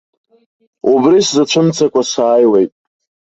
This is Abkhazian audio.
Убри сзацәымцакәа сааиуеит.